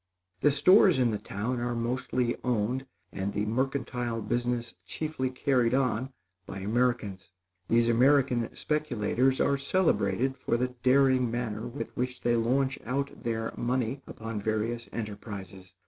The stores in the town are mostly owned, and the mercantile business chiefly carried on, by Americans. These American speculators are celebrated for the daring manner with which they launch out their money upon various enterprises.